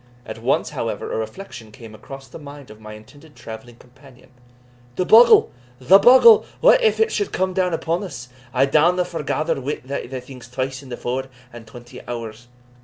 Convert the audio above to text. At once, however, a reflection came across the mind of my intended travelling companion. "The bogle! the bogle! what if it should come out upon us? I downa forgather wi' thae things twice in the four and twenty hours."